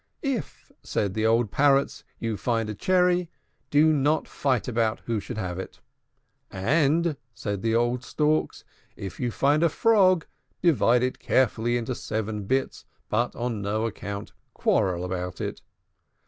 "If," said the old Parrots, "you find a cherry, do not fight about who should have it." "And," said the old Storks, "if you find a frog, divide it carefully into seven bits, but on no account quarrel about it."